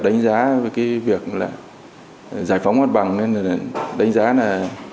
đánh giá về cái việc là giải phóng hoạt bằng nên là đánh giá là